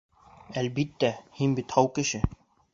Әлбиттә, Һин бит һау кеше.